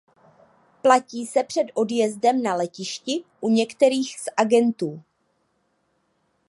Platí se před odjezdem na letišti u některých z agentů.